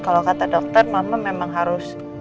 kalau kata dokter mama memang harus